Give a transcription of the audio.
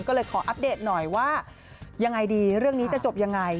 ก็เลยขออัปเดตหน่อยว่ายังไงดีเรื่องนี้จะจบยังไง